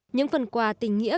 những phần quà tình nghĩa